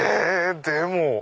でも。